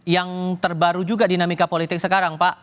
yang terbaru juga dinamika politik sekarang pak